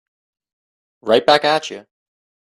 Right back at you.